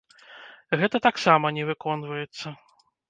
Гэта таксама не выконваецца.